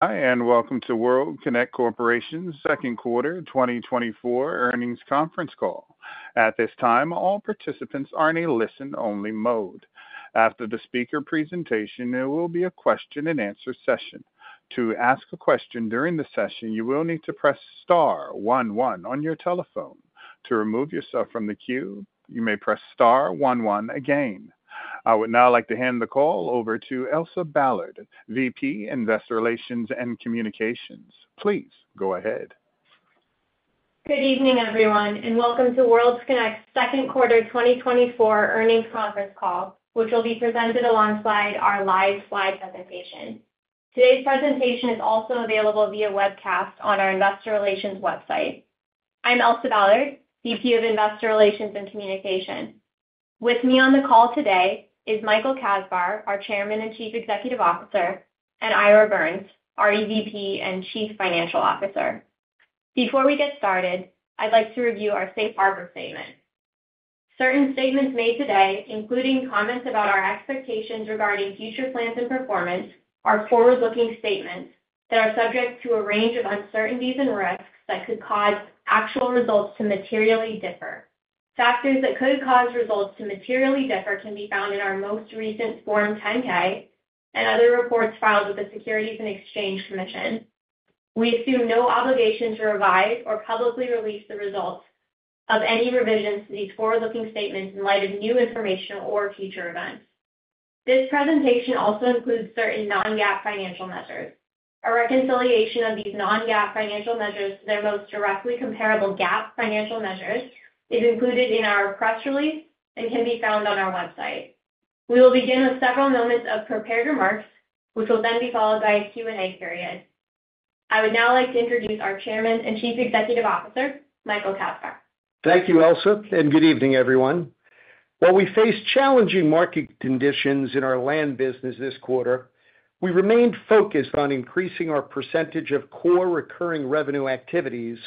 Hi, and welcome to World Kinect Corporation's second quarter 2024 earnings conference call. At this time, all participants are in a listen-only mode. After the speaker presentation, there will be a question-and-answer session. To ask a question during the session, you will need to press star one one on your telephone. To remove yourself from the queue, you may press star one one again. I would now like to hand the call over to Elsa Ballard, VP, Investor Relations and Communications. Please go ahead. Good evening, everyone, and welcome to World Kinect's second quarter 2024 earnings conference call, which will be presented alongside our live slide presentation. Today's presentation is also available via webcast on our investor relations website. I'm Elsa Ballard, VP of Investor Relations and Communications. With me on the call today is Michael Kasbar, our Chairman and Chief Executive Officer, and Ira Birns, our EVP and Chief Financial Officer. Before we get started, I'd like to review our safe harbor statement. Certain statements made today, including comments about our expectations regarding future plans and performance, are forward-looking statements that are subject to a range of uncertainties and risks that could cause actual results to materially differ. Factors that could cause results to materially differ can be found in our most recent Form 10-K and other reports filed with the Securities and Exchange Commission. We assume no obligation to revise or publicly release the results of any revisions to these forward-looking statements in light of new information or future events. This presentation also includes certain non-GAAP financial measures. A reconciliation of these non-GAAP financial measures to their most directly comparable GAAP financial measures is included in our press release and can be found on our website. We will begin with several moments of prepared remarks, which will then be followed by a Q&A period. I would now like to introduce our Chairman and Chief Executive Officer, Michael Kasbar. Thank you, Elsa, and good evening, everyone. While we face challenging market conditions in our land business this quarter, we remained focused on increasing our percentage of core recurring revenue activities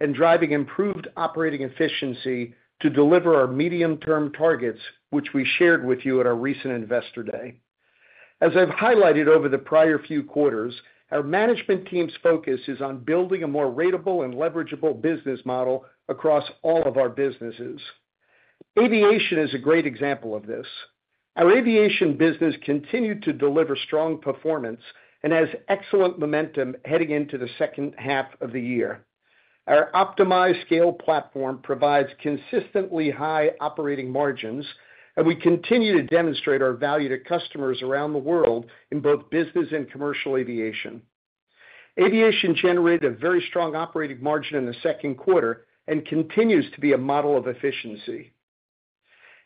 and driving improved operating efficiency to deliver our medium-term targets, which we shared with you at our recent Investor Day. As I've highlighted over the prior few quarters, our management team's focus is on building a more ratable and leverageable business model across all of our businesses. Aviation is a great example of this. Our aviation business continued to deliver strong performance and has excellent momentum heading into the second half of the year. Our optimized scale platform provides consistently high operating margins, and we continue to demonstrate our value to customers around the world in both business and commercial aviation. Aviation generated a very strong operating margin in the second quarter and continues to be a model of efficiency.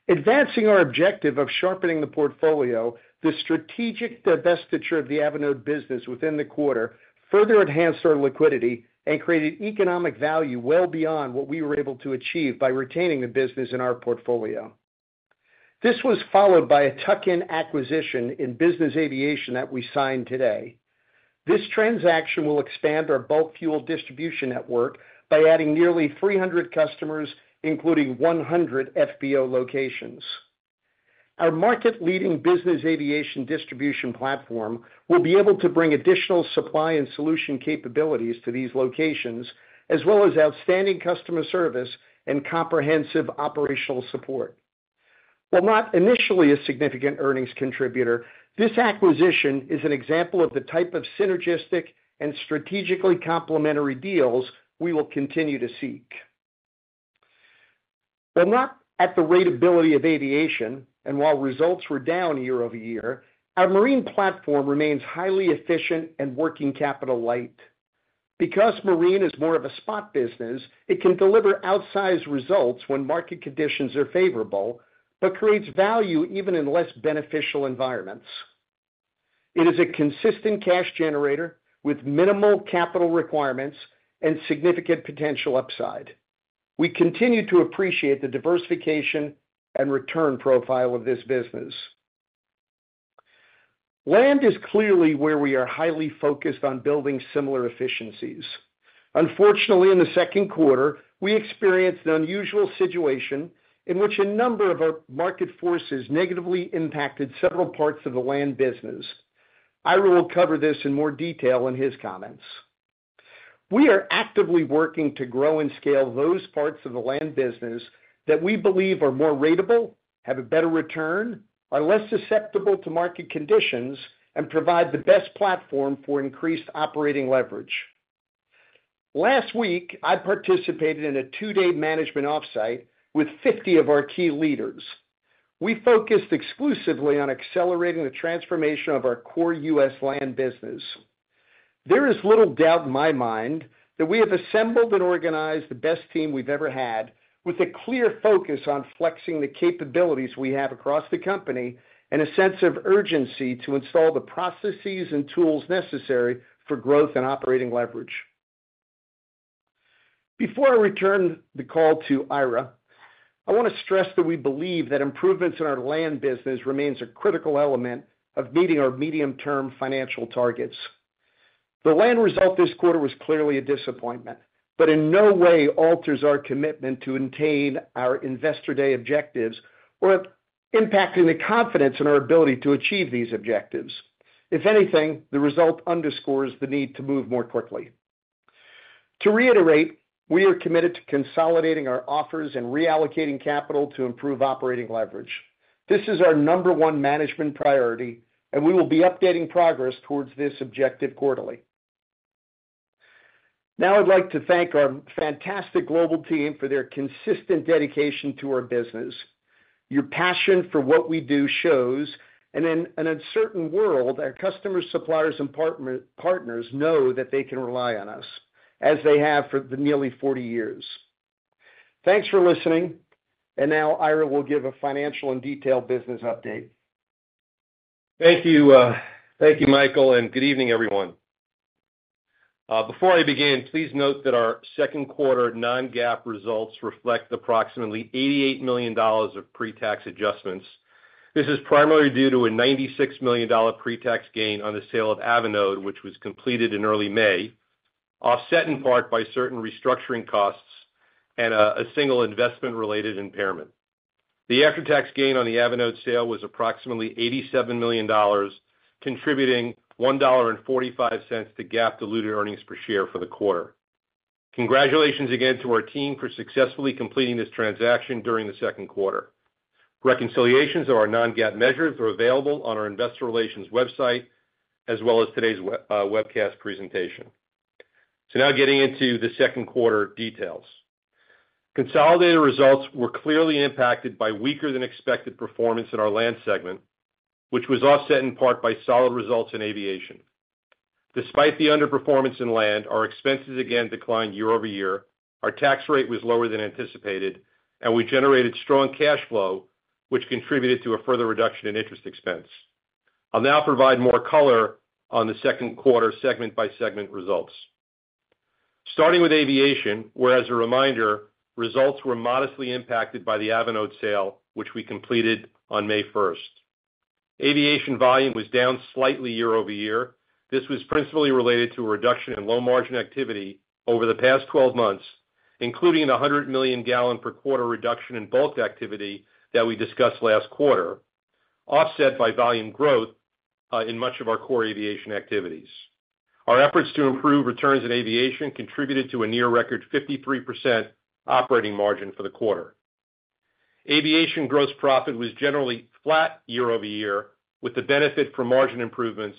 Advancing our objective of sharpening the portfolio, the strategic divestiture of the Avinode business within the quarter further enhanced our liquidity and created economic value well beyond what we were able to achieve by retaining the business in our portfolio. This was followed by a tuck-in acquisition in business aviation that we signed today. This transaction will expand our bulk fuel distribution network by adding nearly 300 customers, including 100 FBO locations. Our market-leading business aviation distribution platform will be able to bring additional supply and solution capabilities to these locations, as well as outstanding customer service and comprehensive operational support. While not initially a significant earnings contributor, this acquisition is an example of the type of synergistic and strategically complementary deals we will continue to seek. While not at the ratability of aviation, and while results were down year-over-year, our marine platform remains highly efficient and working capital light. Because marine is more of a spot business, it can deliver outsized results when market conditions are favorable, but creates value even in less beneficial environments. It is a consistent cash generator with minimal capital requirements and significant potential upside. We continue to appreciate the diversification and return profile of this business. Land is clearly where we are highly focused on building similar efficiencies. Unfortunately, in the second quarter, we experienced an unusual situation in which a number of our market forces negatively impacted several parts of the land business. Ira will cover this in more detail in his comments. We are actively working to grow and scale those parts of the land business that we believe are more ratable, have a better return, are less susceptible to market conditions, and provide the best platform for increased operating leverage. Last week, I participated in a 2-day management offsite with 50 of our key leaders. We focused exclusively on accelerating the transformation of our core U.S. land business. There is little doubt in my mind that we have assembled and organized the best team we've ever had, with a clear focus on flexing the capabilities we have across the company and a sense of urgency to install the processes and tools necessary for growth and operating leverage. Before I return the call to Ira, I want to stress that we believe that improvements in our land business remains a critical element of meeting our medium-term financial targets. The land result this quarter was clearly a disappointment, but in no way alters our commitment to attain our Investor Day objectives impacting the confidence in our ability to achieve these objectives. If anything, the result underscores the need to move more quickly. To reiterate, we are committed to consolidating our offers and reallocating capital to improve operating leverage. This is our number one management priority, and we will be updating progress towards this objective quarterly. Now, I'd like to thank our fantastic global team for their consistent dedication to our business. Your passion for what we do shows, and in an uncertain world, our customers, suppliers, and partners know that they can rely on us, as they have for nearly 40 years. Thanks for listening, and now Ira will give a financial and detailed business update. Thank you, thank you, Michael, and good evening, everyone. Before I begin, please note that our second quarter non-GAAP results reflect approximately $88 million of pre-tax adjustments. This is primarily due to a $96 million pre-tax gain on the sale of Avinode, which was completed in early May, offset in part by certain restructuring costs and a single investment-related impairment. The after-tax gain on the Avinode sale was approximately $87 million, contributing $1.45 to GAAP diluted earnings per share for the quarter. Congratulations again to our team for successfully completing this transaction during the second quarter. Reconciliations of our non-GAAP measures are available on our investor relations website, as well as today's webcast presentation. Now getting into the second quarter details. Consolidated results were clearly impacted by weaker than expected performance in our land segment, which was offset in part by solid results in aviation. Despite the underperformance in land, our expenses again declined year-over-year, our tax rate was lower than anticipated, and we generated strong cash flow, which contributed to a further reduction in interest expense. I'll now provide more color on the second quarter segment by segment results. Starting with aviation, where, as a reminder, results were modestly impacted by the Avinode sale, which we completed on May 1st. Aviation volume was down slightly year-over-year. This was principally related to a reduction in low-margin activity over the past 12 months, including a 100 million gallon per quarter reduction in bulk activity that we discussed last quarter, offset by volume growth in much of our core aviation activities. Our efforts to improve returns in aviation contributed to a near record 53% operating margin for the quarter. Aviation gross profit was generally flat year-over-year, with the benefit for margin improvements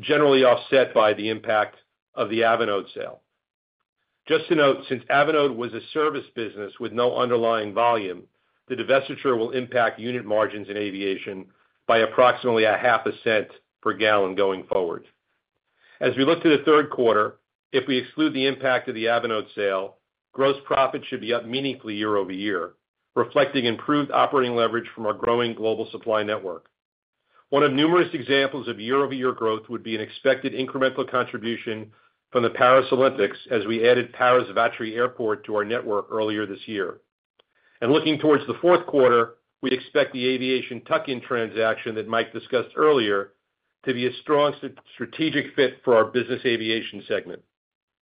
generally offset by the impact of the Avinode sale. Just to note, since Avinode was a service business with no underlying volume, the divestiture will impact unit margins in aviation by approximately $0.005 per gallon going forward. As we look to the third quarter, if we exclude the impact of the Avinode sale, gross profit should be up meaningfully year-over-year, reflecting improved operating leverage from our growing global supply network. One of numerous examples of year-over-year growth would be an expected incremental contribution from the Paris Olympics, as we added Paris-Vatry Airport to our network earlier this year. And looking towards the fourth quarter, we'd expect the aviation tuck-in transaction that Mike discussed earlier to be a strong strategic fit for our business aviation segment.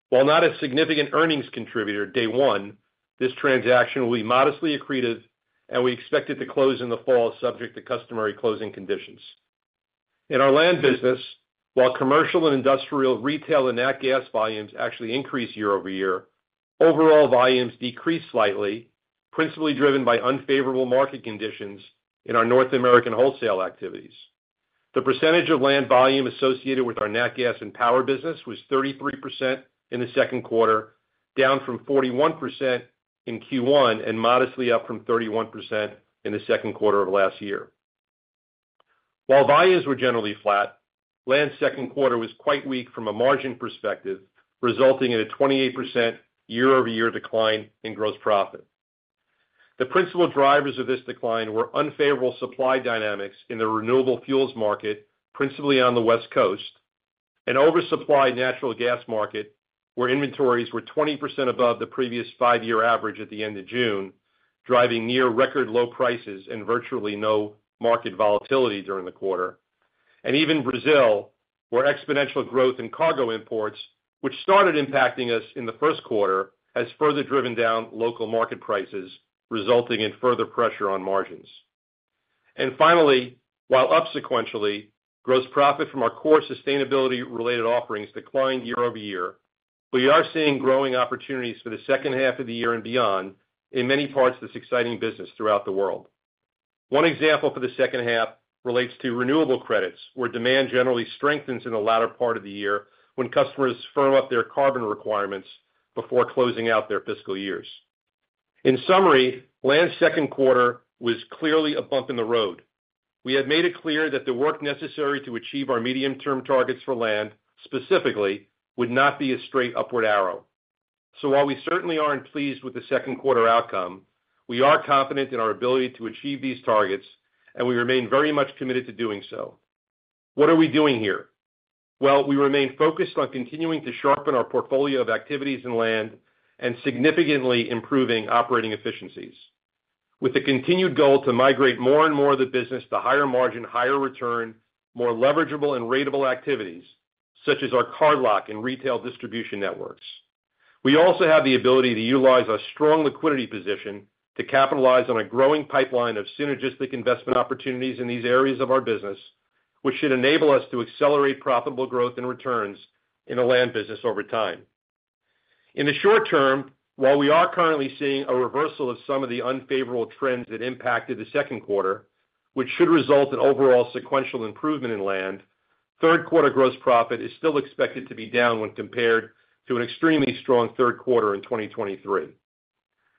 While not a significant earnings contributor day one, this transaction will be modestly accretive, and we expect it to close in the fall, subject to customary closing conditions. In our land business, while commercial and industrial, retail, and nat gas volumes actually increased year-over-year, overall volumes decreased slightly, principally driven by unfavorable market conditions in our North American wholesale activities. The percentage of land volume associated with our nat gas and power business was 33% in the second quarter, down from 41% in Q1, and modestly up from 31% in the second quarter of last year. While volumes were generally flat, land's second quarter was quite weak from a margin perspective, resulting in a 28% year-over-year decline in gross profit. The principal drivers of this decline were unfavorable supply dynamics in the renewable fuels market, principally on the West Coast. An oversupplied natural gas market, where inventories were 20% above the previous 5-year average at the end of June, driving near record low prices and virtually no market volatility during the quarter. And even Brazil, where exponential growth in cargo imports, which started impacting us in the first quarter, has further driven down local market prices, resulting in further pressure on margins. And finally, while up sequentially, gross profit from our core sustainability-related offerings declined year-over-year. We are seeing growing opportunities for the second half of the year and beyond in many parts of this exciting business throughout the world. One example for the second half relates to renewable credits, where demand generally strengthens in the latter part of the year when customers firm up their carbon requirements before closing out their fiscal years. In summary, land's second quarter was clearly a bump in the road. We have made it clear that the work necessary to achieve our medium-term targets for land, specifically, would not be a straight upward arrow. So while we certainly aren't pleased with the second quarter outcome, we are confident in our ability to achieve these targets, and we remain very much committed to doing so. What are we doing here? Well, we remain focused on continuing to sharpen our portfolio of activities in land and significantly improving operating efficiencies, with the continued goal to migrate more and more of the business to higher margin, higher return, more leverageable and ratable activities, such as our cardlock and retail distribution networks... We also have the ability to utilize our strong liquidity position to capitalize on a growing pipeline of synergistic investment opportunities in these areas of our business, which should enable us to accelerate profitable growth and returns in the land business over time. In the short term, while we are currently seeing a reversal of some of the unfavorable trends that impacted the second quarter, which should result in overall sequential improvement in land, third quarter gross profit is still expected to be down when compared to an extremely strong third quarter in 2023.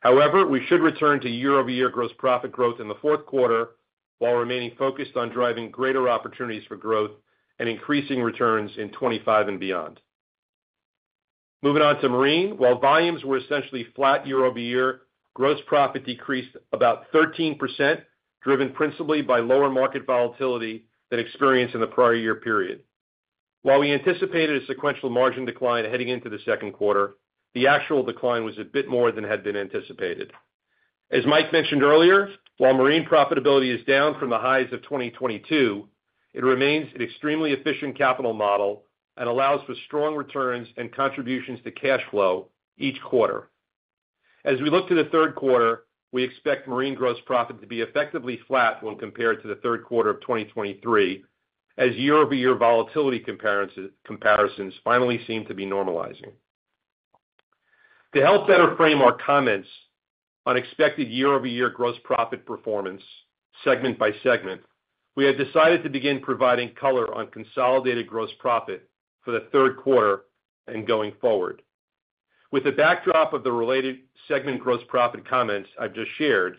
However, we should return to year-over-year gross profit growth in the fourth quarter, while remaining focused on driving greater opportunities for growth and increasing returns in 25 and beyond. Moving on to Marine. While volumes were essentially flat year-over-year, gross profit decreased about 13%, driven principally by lower market volatility than experienced in the prior year period. While we anticipated a sequential margin decline heading into the second quarter, the actual decline was a bit more than had been anticipated. As Mike mentioned earlier, while marine profitability is down from the highs of 2022, it remains an extremely efficient capital model and allows for strong returns and contributions to cash flow each quarter. As we look to the third quarter, we expect marine gross profit to be effectively flat when compared to the third quarter of 2023, as year-over-year volatility comparisons finally seem to be normalizing. To help better frame our comments on expected year-over-year gross profit performance segment by segment, we have decided to begin providing color on consolidated gross profit for the third quarter and going forward. With the backdrop of the related segment gross profit comments I've just shared,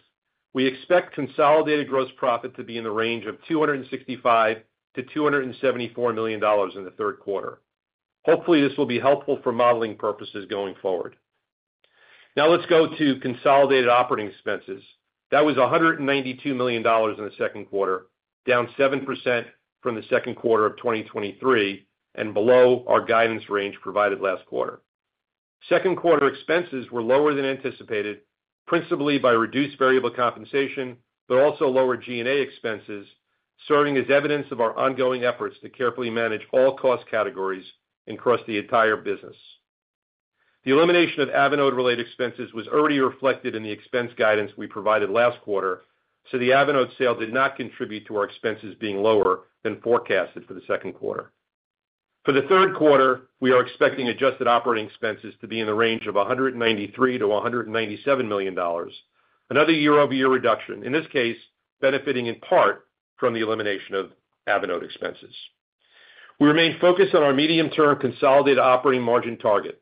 we expect consolidated gross profit to be in the range of $265 million-$274 million in the third quarter. Hopefully, this will be helpful for modeling purposes going forward. Now let's go to consolidated operating expenses. That was $192 million in the second quarter, down 7% from the second quarter of 2023, and below our guidance range provided last quarter. Second quarter expenses were lower than anticipated, principally by reduced variable compensation, but also lower G&A expenses, serving as evidence of our ongoing efforts to carefully manage all cost categories across the entire business. The elimination of Avinode-related expenses was already reflected in the expense guidance we provided last quarter, so the Avinode sale did not contribute to our expenses being lower than forecasted for the second quarter. For the third quarter, we are expecting adjusted operating expenses to be in the range of $193 million-$197 million, another year-over-year reduction, in this case, benefiting in part from the elimination of Avinode expenses. We remain focused on our medium-term consolidated operating margin target.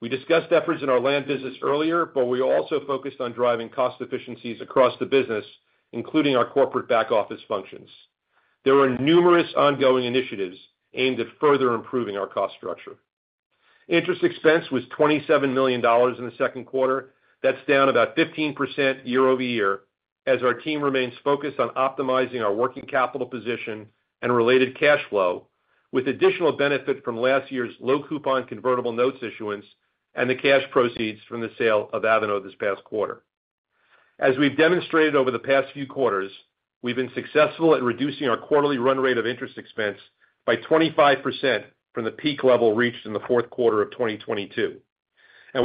We discussed efforts in our land business earlier, but we also focused on driving cost efficiencies across the business, including our corporate back-office functions. There are numerous ongoing initiatives aimed at further improving our cost structure. Interest expense was $27 million in the second quarter. That's down about 15% year-over-year, as our team remains focused on optimizing our working capital position and related cash flow, with additional benefit from last year's low coupon convertible notes issuance and the cash proceeds from the sale of Avinode this past quarter. As we've demonstrated over the past few quarters, we've been successful at reducing our quarterly run rate of interest expense by 25% from the peak level reached in the fourth quarter of 2022.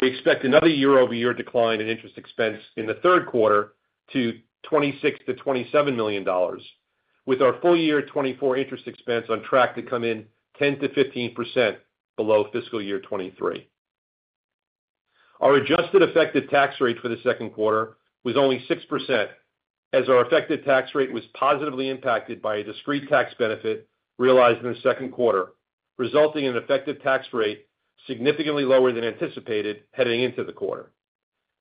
We expect another year-over-year decline in interest expense in the third quarter to $26 million-$27 million, with our full year 2024 interest expense on track to come in 10%-15% below fiscal year 2023. Our adjusted effective tax rate for the second quarter was only 6%, as our effective tax rate was positively impacted by a discrete tax benefit realized in the second quarter, resulting in an effective tax rate significantly lower than anticipated heading into the quarter.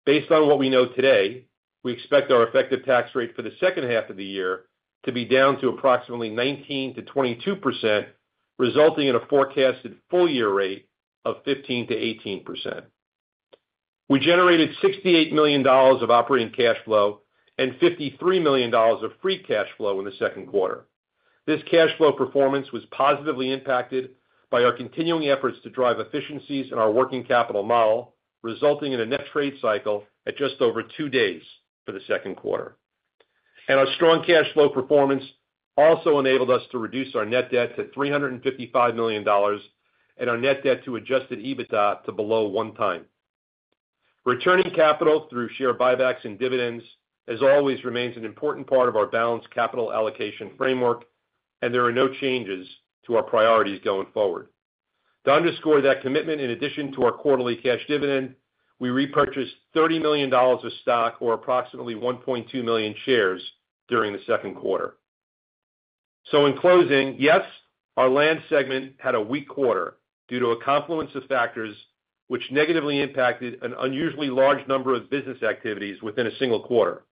Based on what we know today, we expect our effective tax rate for the second half of the year to be down to approximately 19%-22%, resulting in a forecasted full year rate of 15%-18%. We generated $68 million of operating cash flow and $53 million of free cash flow in the second quarter. This cash flow performance was positively impacted by our continuing efforts to drive efficiencies in our working capital model, resulting in a net trade cycle at just over two days for the second quarter. Our strong cash flow performance also enabled us to reduce our net debt to $355 million, and our net debt to Adjusted EBITDA to below 1x. Returning capital through share buybacks and dividends, as always, remains an important part of our balanced capital allocation framework, and there are no changes to our priorities going forward. To underscore that commitment, in addition to our quarterly cash dividend, we repurchased $30 million of stock, or approximately 1.2 million shares, during the second quarter. In closing, yes, our land segment had a weak quarter due to a confluence of factors which negatively impacted an unusually large number of business activities within a single quarter.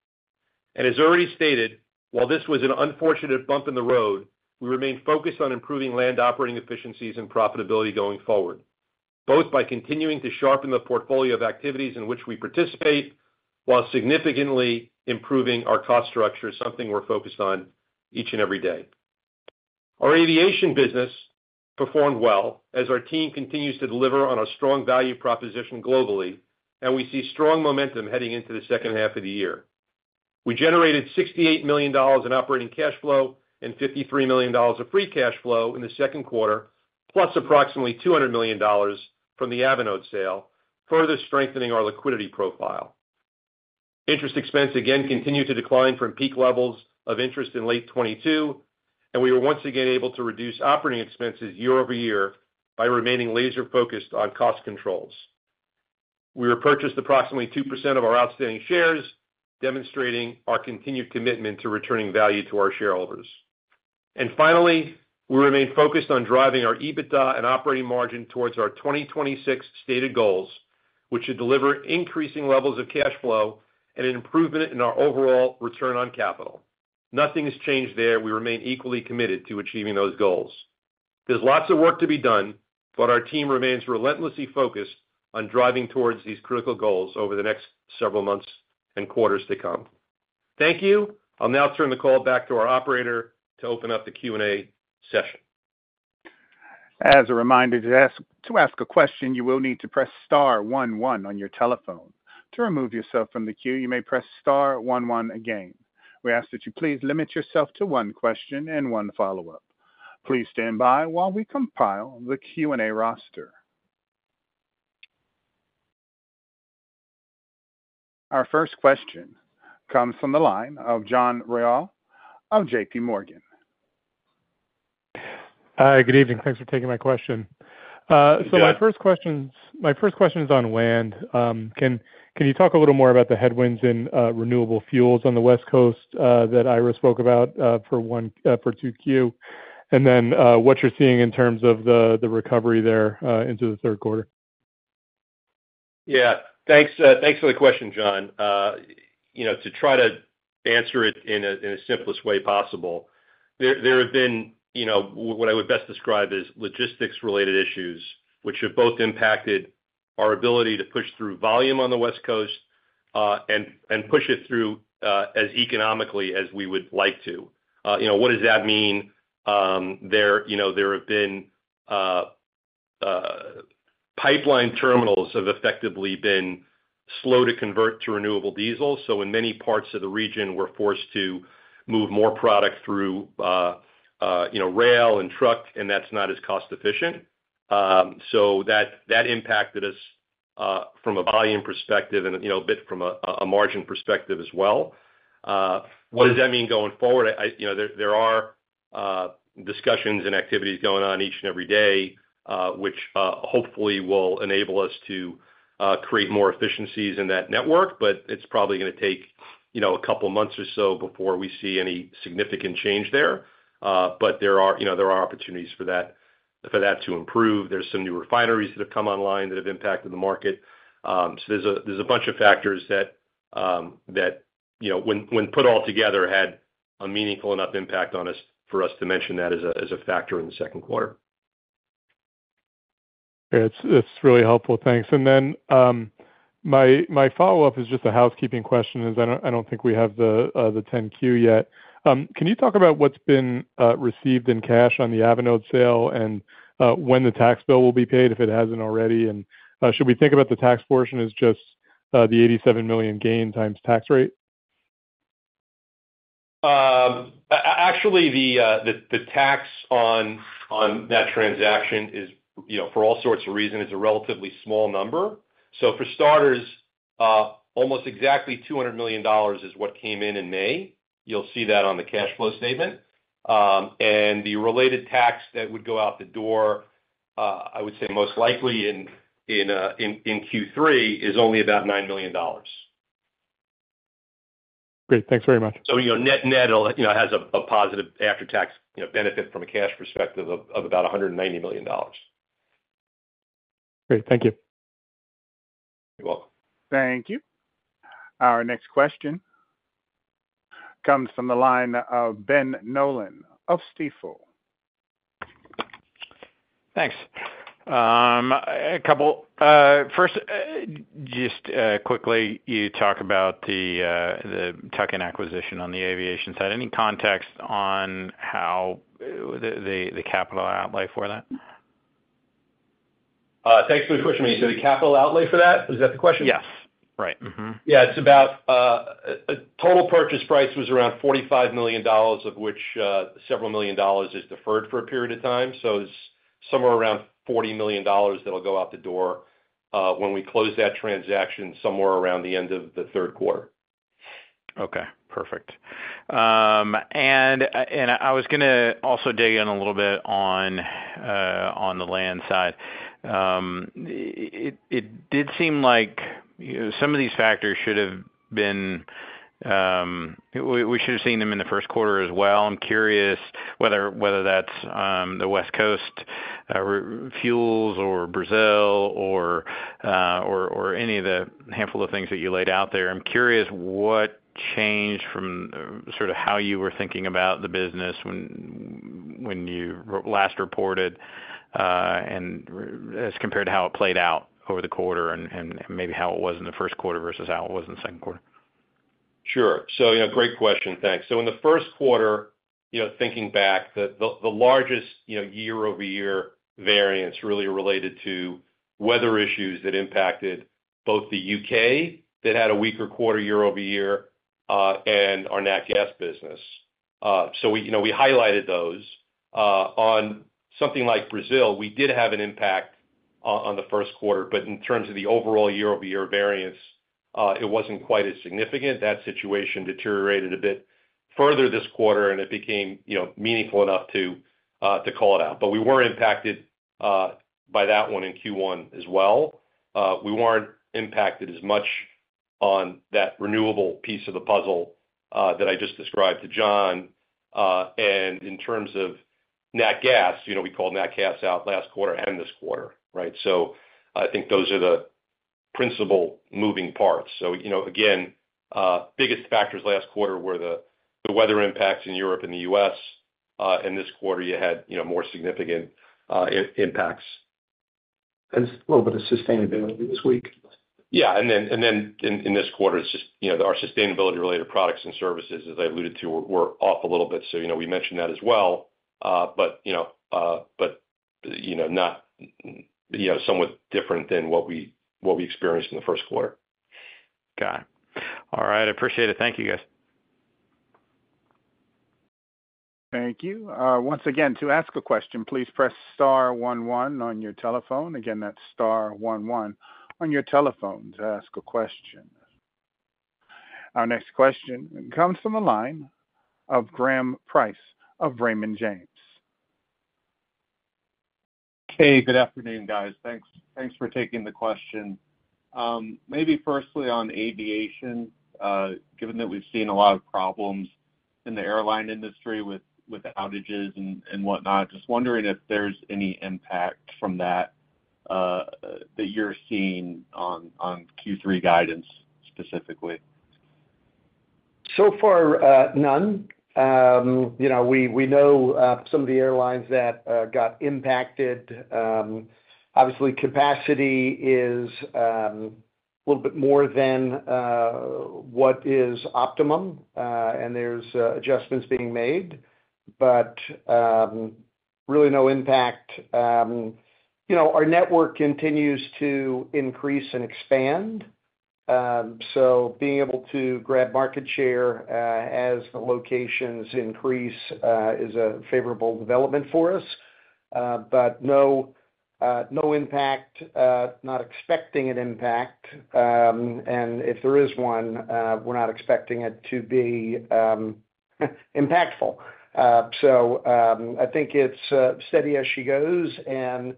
As already stated, while this was an unfortunate bump in the road, we remain focused on improving land operating efficiencies and profitability going forward, both by continuing to sharpen the portfolio of activities in which we participate, while significantly improving our cost structure, something we're focused on each and every day. Our aviation business performed well, as our team continues to deliver on a strong value proposition globally, and we see strong momentum heading into the second half of the year. We generated $68 million in operating cash flow and $53 million of free cash flow in the second quarter, plus approximately $200 million from the Avinode sale, further strengthening our liquidity profile. Interest expense again continued to decline from peak levels of interest in late 2022, and we were once again able to reduce operating expenses year-over-year by remaining laser-focused on cost controls. We repurchased approximately 2% of our outstanding shares, demonstrating our continued commitment to returning value to our shareholders. And finally, we remain focused on driving our EBITDA and operating margin towards our 2026 stated goals, which should deliver increasing levels of cash flow and an improvement in our overall return on capital. Nothing has changed there. We remain equally committed to achieving those goals. There's lots of work to be done, but our team remains relentlessly focused on driving towards these critical goals over the next several months and quarters to come. Thank you. I'll now turn the call back to our operator to open up the Q&A session. As a reminder, to ask, to ask a question, you will need to press star one one on your telephone. To remove yourself from the queue, you may press star one one again. We ask that you please limit yourself to one question and one follow-up. Please stand by while we compile the Q&A roster. Our first question comes from the line of John Royall of JPMorgan. Hi, good evening. Thanks for taking my question. You got it. So my first question is on land. Can you talk a little more about the headwinds in renewable fuels on the West Coast that Ira spoke about for 1, for 2Q? And then, what you're seeing in terms of the recovery there into the third quarter. Yeah. Thanks, thanks for the question, John. You know, to try to answer it in the simplest way possible, there have been, you know, what I would best describe as logistics-related issues, which have both impacted our ability to push through volume on the West Coast and push it through as economically as we would like to. You know, what does that mean? Pipeline terminals have effectively been slow to convert to renewable diesel, so in many parts of the region, we're forced to move more product through rail and truck, and that's not as cost-efficient. So that impacted us from a volume perspective and, you know, a bit from a margin perspective as well. What does that mean going forward? You know, there are discussions and activities going on each and every day, which hopefully will enable us to create more efficiencies in that network, but it's probably gonna take, you know, a couple of months or so before we see any significant change there. But there are, you know, opportunities for that to improve. There's some new refineries that have come online that have impacted the market. So there's a bunch of factors that, you know, when put all together, had a meaningful enough impact on us for us to mention that as a factor in the second quarter. It's really helpful. Thanks. And then my follow-up is just a housekeeping question. I don't think we have the 10-Q yet. Can you talk about what's been received in cash on the Avinode sale and when the tax bill will be paid, if it hasn't already, and should we think about the tax portion as just the $87 million gain times tax rate? Actually, the tax on that transaction is, you know, for all sorts of reasons, it's a relatively small number. So for starters, almost exactly $200 million is what came in in May. You'll see that on the cash flow statement. And the related tax that would go out the door, I would say most likely in Q3, is only about $9 million. Great. Thanks very much. So, you know, net-net, you know, it has a positive after-tax, you know, benefit from a cash perspective of about $190 million. Great. Thank you. You're welcome. Thank you. Our next question comes from the line of Ben Nolan of Stifel. Thanks. First, just quickly, you talk about the tuck-in acquisition on the aviation side. Any context on how the capital outlay for that? Thanks for the question. You said the capital outlay for that? Is that the question? Yes. Right. Mm-hmm. Yeah, it's about, total purchase price was around $45 million, of which, several million dollars is deferred for a period of time. So it's somewhere around $40 million that'll go out the door, when we close that transaction somewhere around the end of the third quarter. Okay, perfect. I was gonna also dig in a little bit on the land side. It did seem like, you know, some of these factors should have been... We should have seen them in the first quarter as well. I'm curious whether that's the West Coast renewable fuels or Brazil or any of the handful of things that you laid out there. I'm curious what changed from sort of how you were thinking about the business when you last reported, and as compared to how it played out over the quarter and maybe how it was in the first quarter versus how it was in the second quarter? Sure. So yeah, great question. Thanks. So in the first quarter, you know, thinking back, the largest, you know, year-over-year variance really related to weather issues that impacted both the U.K., that had a weaker quarter year-over-year, and our nat gas business. So we, you know, we highlighted those. On something like Brazil, we did have an impact on the first quarter, but in terms of the overall year-over-year variance, it wasn't quite as significant. That situation deteriorated a bit further this quarter, and it became, you know, meaningful enough to call it out. But we were impacted by that one in Q1 as well. We weren't impacted as much on that renewable piece of the puzzle, that I just described to John. And in terms of nat gas, you know, we called nat gas out last quarter and this quarter, right? So I think those are the principal moving parts. So, you know, again, biggest factors last quarter were the weather impacts in Europe and the U.S. And this quarter, you had, you know, more significant impacts. And a little bit of sustainability this week. Yeah. And then in this quarter, it's just, you know, our sustainability-related products and services, as I alluded to, were off a little bit. So, you know, we mentioned that as well. But, you know, but, you know, not, you know, somewhat different than what we, what we experienced in the first quarter. Got it. All right, I appreciate it. Thank you, guys. Thank you. Once again, to ask a question, please press star one one on your telephone. Again, that's star one one on your telephone to ask a question. Our next question comes from the line of Graham Price of Raymond James. Hey, good afternoon, guys. Thanks, thanks for taking the question. Maybe firstly on aviation, given that we've seen a lot of problems in the airline industry with the outages and whatnot, just wondering if there's any impact from that that you're seeing on Q3 guidance, specifically? So far, none. You know, we know some of the airlines that got impacted. Obviously, capacity is a little bit more than what is optimum, and there's adjustments being made, but really no impact. You know, our network continues to increase and expand, so being able to grab market share as the locations increase is a favorable development for us. But no, no impact. Not expecting an impact, and if there is one, we're not expecting it to be impactful. So, I think it's steady as she goes, and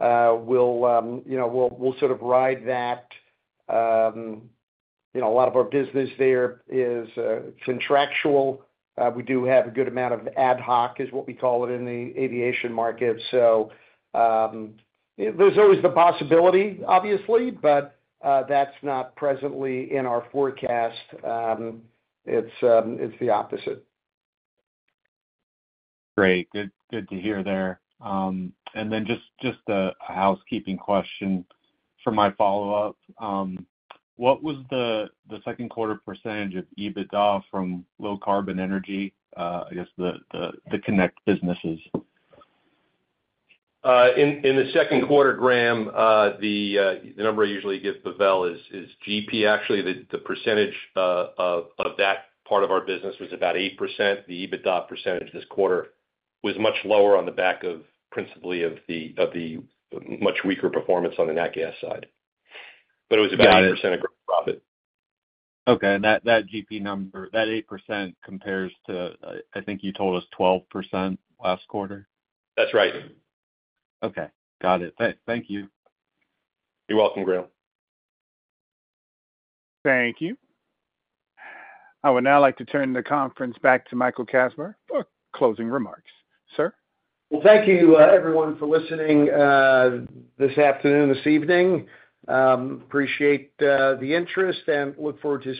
we'll, you know, we'll sort of ride that. You know, a lot of our business there is contractual. We do have a good amount of ad hoc, is what we call it in the aviation market. So, there's always the possibility, obviously, but that's not presently in our forecast. It's the opposite. Great. Good, good to hear there. And then just a housekeeping question for my follow-up. What was the second quarter percentage of EBITDA from low carbon energy, I guess the Kinect businesses? In the second quarter, Graham, the number I usually give Pavel is GP, actually. The percentage of that part of our business was about 8%. The EBITDA percentage this quarter was much lower on the back of principally of the much weaker performance on the nat gas side. But it was about 8% of gross profit. Okay, and that, that GP number, that 8% compares to, I think you told us 12% last quarter? That's right. Okay. Got it. Thank you. You're welcome, Graham. Thank you. I would now like to turn the conference back to Michael Kasbar for closing remarks. Sir? Well, thank you, everyone, for listening this afternoon, this evening. Appreciate the interest and look forward to seeing-